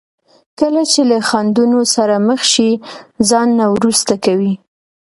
کله چې له خنډونو سره مخ شي ځان نه وروسته کوي.